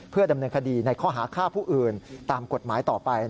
เพื่อดำเนินคดีในข้อหาฆ่าผู้อื่นตามกฎหมายต่อไป